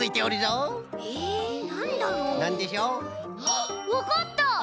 あっわかった！